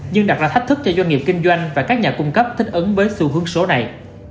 nhưng đặt ra thách thức cho doanh nghiệp kinh doanh và các nhà cung cấp thích ứng với xu hướng số này